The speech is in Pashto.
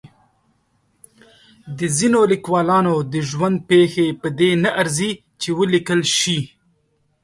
د ځینو لیکوالانو د ژوند پېښې په دې نه ارزي چې ولیکل شي.